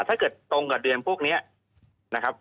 ถ้าเกิดตรงกับเดือนพวกนี้นะครับ